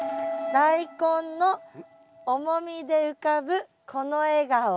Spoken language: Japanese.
大根の重みで浮かぶ子の笑顔。